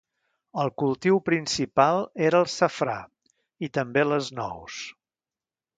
El cultiu principal era el safrà, i també les nous.